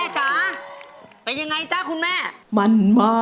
คนอย่างฉัน